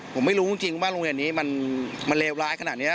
ผมไม่รู้จริงว่าโรงเรียนนี้มันเลวร้ายขนาดนี้